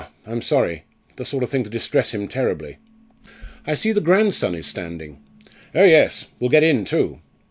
I'm sorry; the sort of thing to distress him terribly." "I see the grandson is standing." "Oh yes; will get in too.